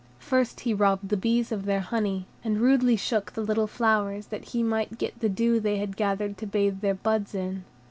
First he robbed the bees of their honey, and rudely shook the little flowers, that he might get the dew they had gathered to bathe their buds in.